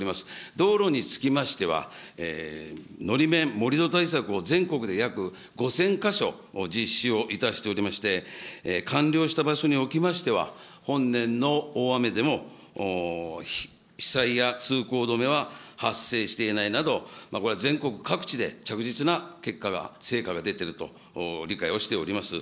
道路につきましては、のり面、盛り土対策を全国で約５０００か所実施をいたしておりまして、完了した場所におきましては、本年の大雨でも、被災や通行止めは発生していないなど、これは全国各地で着実な結果が、成果が出ていると理解をしております。